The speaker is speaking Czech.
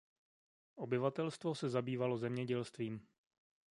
Obyvatelstvo se zabývalo zemědělstvím.